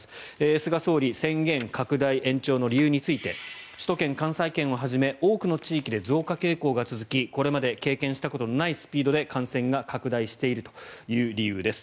菅総理、宣言拡大延長の理由について首都圏、関西圏をはじめ多くの地域で増加傾向が続きこれまで経験したことのないスピードで感染が拡大しているという理由です。